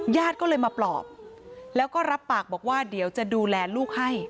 ญาติก็เลยมาปลอบแล้วก็รับปากบอกว่าเดี๋ยวจะดูแลลูกให้